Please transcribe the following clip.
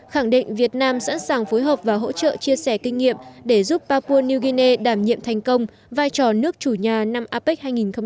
khẳng định việt nam sẵn sàng phối hợp và hỗ trợ chia sẻ kinh nghiệm để giúp papua new guinea đảm nhiệm thành công vai trò nước chủ nhà năm apec hai nghìn hai mươi